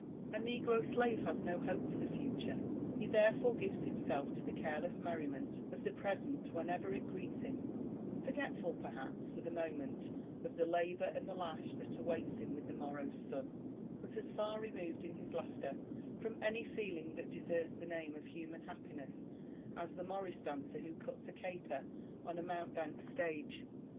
A negro slave has no hope for the future ; he, therefore, gives himself to the careless merriment of the present whenever it greets him; forgetful perhaps, for the moment, of the labour and the lash that awaits him with the morrow's sun, but as far removed in his laughter from any feeling that deserves the name of human happiness as the morris dancer who cuts a caper on a mountebank's stage.